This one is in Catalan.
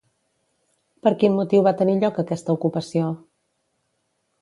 Per quin motiu va tenir lloc aquesta ocupació?